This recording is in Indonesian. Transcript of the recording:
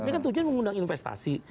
ini kan tujuan mengundang investasi